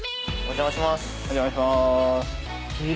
お邪魔しまーす。